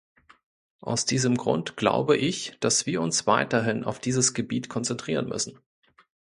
Aus diesem Grund glaube ich, dass wir uns weiterhin auf dieses Gebiet konzentrieren müssen.